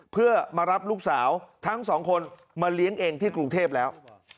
เพื่อมารับลูกสาวทั้งสองคนมาเลี้ยงเองที่กรุงเทพแล้ว